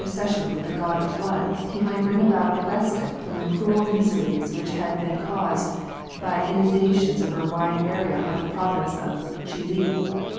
97 cession with the God of Floods lie might bring about a respite from the cruel miseries which had been caused by inundations over a wide area of the pro vince of Chihli.